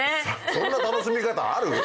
そんな楽しみ方ある？